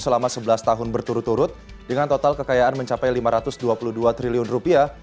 selama sebelas tahun berturut turut dengan total kekayaan mencapai lima ratus dua puluh dua triliun rupiah